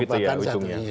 sudah politik begitu ya